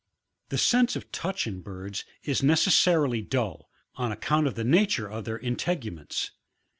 The sense of touch in birds is necessarily dull, on account of the nature of their integuments.